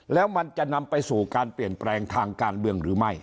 แล้วมันจะนำไปสู่การเปลี่ยนแปลงทางการเมืองหรือไม่